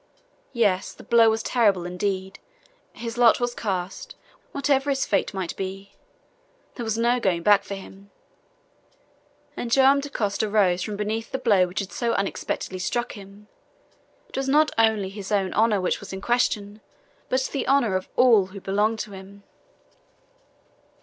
Yes, the blow was terrible indeed. His lot was cast, whatever his fate might be; there was no going back for him! And Joam Dacosta rose from beneath the blow which had so unexpectedly struck him. It was not only his own honor which was in question, but the honor of all who belonged to him.